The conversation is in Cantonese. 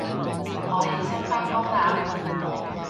我起身返工喇